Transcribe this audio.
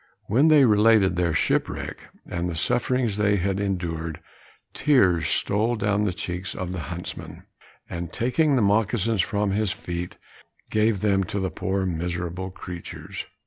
When they related their shipwreck, and the sufferings they had endured, tears stole down the cheeks of the huntsman, and, taking the moccasins from his feet, gave them to the poor miserable creatures.